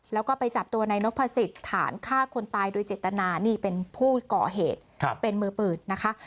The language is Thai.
แล้วก็ไปจับตัวนายนพสิทธิ์ฐานฆ่าคนตายโดยเจตนานี่เป็นผู้ก่อเหตุเป็นมือปืนนะคะ